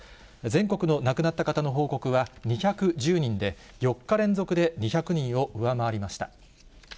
全国の亡くなった方の報告は２１０人で、４日連続で２００人を上回りました。